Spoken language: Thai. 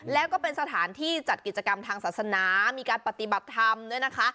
แล้วก็เป็นสถานที่จัดกิจกรรมทางศาสนามีการปฏิบัติธรรมด้วยนะคะ